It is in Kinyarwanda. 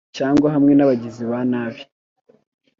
cyangwa hamwe n’abagizi ba nabi